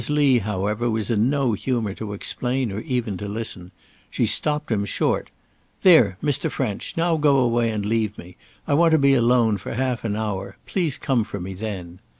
Lee, however, was in no humour to explain or even to listen. She stopped him short: "There, Mr. French! Now go away and leave me. I want to be alone for half an hour. Please come for me then."